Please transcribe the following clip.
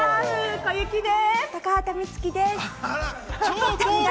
小雪です！